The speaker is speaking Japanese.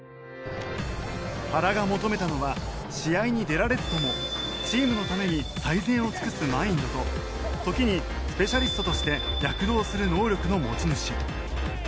原が求めたのは試合に出られずともチームのために最善を尽くすマインドと時にスペシャリストとして躍動する能力の持ち主。